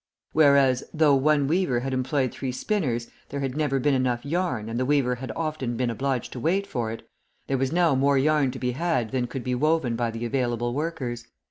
Whereas, though one weaver had employed three spinners, there had never been enough yarn, and the weaver had often been obliged to wait for it, there was now more yarn to be had than could be woven by the available workers.